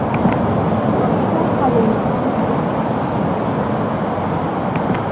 The orchestra has had a long tradition of playing contemporary music.